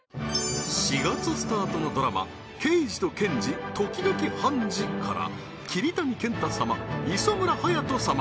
４月スタートのドラマケイジとケンジ、時々ハンジ。から桐谷健太様磯村勇斗様